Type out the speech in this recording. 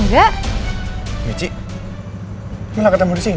gak ada sejarah yang gue lupain